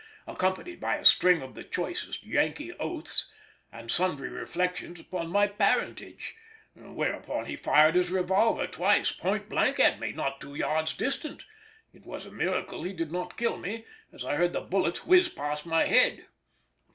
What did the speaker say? accompanied by a string of the choicest Yankee oaths and sundry reflections upon my parentage; whereupon he fired his revolver twice point blank at me not two yards distant: it was a miracle he did not kill me, as I heard the bullets whiz past my head.